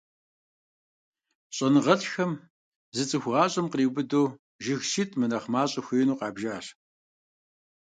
ЩӀэныгъэлӀхэм зы цӀыху гъащӀэм къриубыдэу жыг щитӀ мынэхъ мащӀэ хуеину къабжащ.